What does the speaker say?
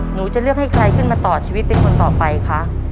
หนูจะเลือกให้ใครขึ้นมาต่อชีวิตเป็นคนต่อไปคะ